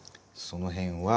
そのへんは。